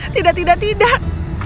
tidak tidak tidak